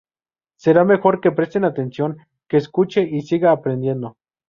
Será mejor que preste atención, que escuche y siga aprendiendo.